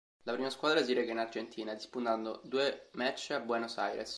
La prima squadra si reca in Argentina, disputando due match a Buenos Aires.